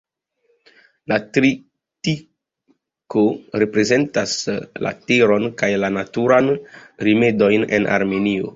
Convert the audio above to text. La tritiko reprezentas la teron kaj la naturajn rimedojn de Armenio.